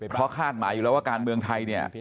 เพราะคาดหมายอยู่แล้วว่าการเมืองไทยเนี่ย